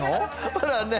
ほらね。